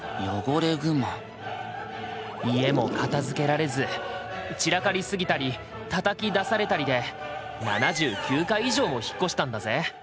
家も片づけられず散らかりすぎたりたたき出されたりで７９回以上も引っ越したんだぜ。